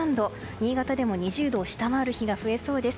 新潟でも２０度を下回る日が増えそうです。